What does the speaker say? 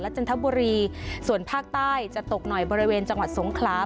จันทบุรีส่วนภาคใต้จะตกหน่อยบริเวณจังหวัดสงขลา